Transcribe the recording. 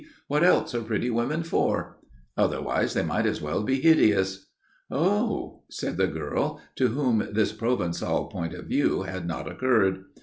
What else are pretty women for? Otherwise they might as well be hideous." "Oh!" said the girl, to whom this Provençal point of view had not occurred.